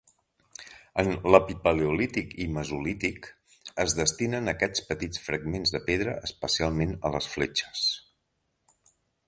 En l'epipaleolític i mesolític, es destinen aquests petits fragments de pedra especialment a les fletxes.